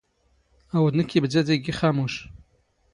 ⴰⵡⴷ ⵏⴽⴽ ⵉⴱⴷⴰ ⴷⵉⴳⵉ ⵅⴰⵎⵓⵛ.